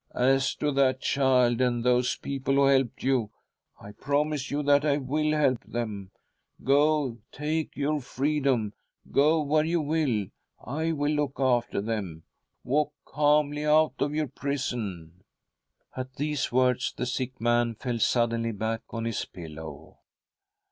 " As to that child, and those people who helped you, I promise you that I will help them. Go! take your freedom— go where you will. I will look after them. Walk calmly out of .your prison !" At these words ihe sick man fell suddenly back on his pillow.